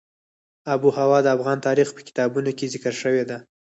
آب وهوا د افغان تاریخ په کتابونو کې ذکر شوې ده.